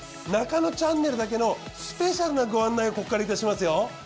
『ナカノチャンネル』だけのスペシャルなご案内をここからいたしますよ。